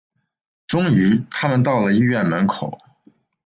终于他们到了医院门口